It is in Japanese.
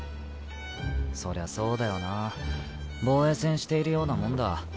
そりゃそうだよな防衛戦しているようなもんだ。